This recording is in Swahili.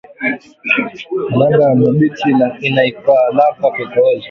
Kalanga ya mubichi inaikalaka kikoozi